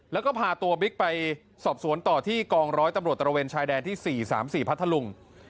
แล้วก็พาตัวบิ๊กไปสอบสวนต่อที่กองร้อยตำรวจตระเวนชายแดนที่๔๓๔พัทธลุง